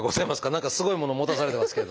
何かすごいものを持たされてますけど。